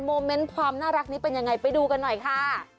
โมเมนต์ความน่ารักนี้เป็นยังไงไปดูกันหน่อยค่ะ